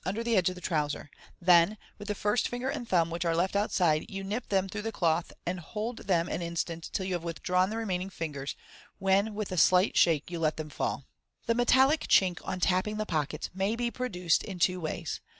under the edge of the trouser j then, with the first finger and thumb which are left outside, you nip them through the cloth, and hok them an instant till you have withdrawn the remaining fingers, when with a slight shake you let them fall. The metallic chink on tapping the pockets may be produced in two ways.